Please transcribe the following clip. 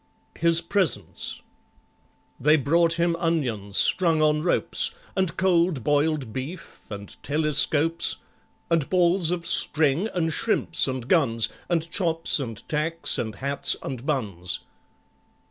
His Presents They brought him onions strung on ropes, And cold boiled beef, and telescopes, And balls of string, and shrimps, and guns, And chops, and tacks, and hats, and buns.